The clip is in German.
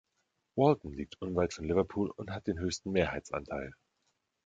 Walton liegt unweit von Liverpool und hat den höchsten Mehrheitsanteil.